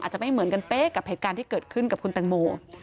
อาจจะไม่เหมือนกันเป๊ะกับเหตุการณ์ที่เกิดขึ้นกับคุณแตงโม